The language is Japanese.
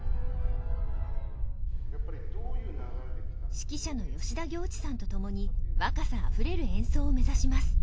指揮者の吉田行地さんと共に若さあふれる演奏を目指します。